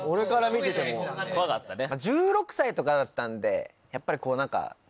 １６歳とかだったんでやっぱりこう何か。